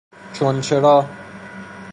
چونچرا